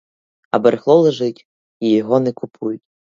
А барахло лежить, і його не купують.